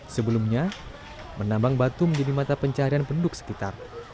sebelumnya penambang batu menjadi mata pencahayaan penduk sekitar